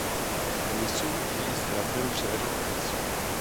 K tenisu jej s bratrem přivedl otec.